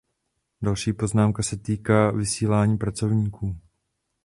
Další poznámka se týká vysílání pracovníků.